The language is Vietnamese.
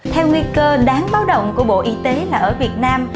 theo nguy cơ đáng báo động của bộ y tế là ở việt nam